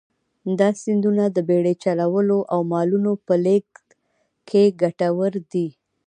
دا سیندونه د بېړۍ چلولو او مالونو په لېږد کې کټوردي.